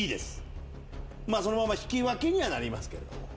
そのまま引き分けにはなりますけど。